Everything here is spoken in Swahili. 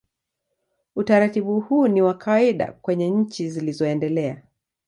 Utaratibu huu ni wa kawaida kwenye nchi zilizoendelea.